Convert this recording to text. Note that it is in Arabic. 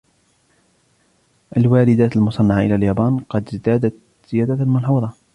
الواردات المصنعة إلى اليابان قد ازدادت زيادةً ملحوظة.